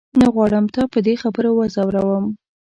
نه غواړم تا په دې خبرو وځوروم.